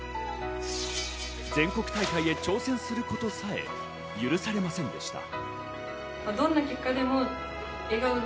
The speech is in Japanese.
全国大会へ挑戦することさえ許されませんでした。